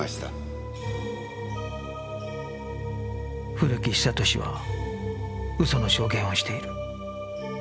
古木久俊は嘘の証言をしている